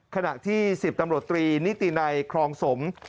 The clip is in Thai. ขณะที่๑๐ตำรวจตรีนิตินัยครองสม